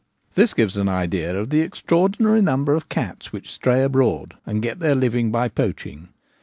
This gives an idea of the extraordinary number of cats which stray abroad and get their living by poaching.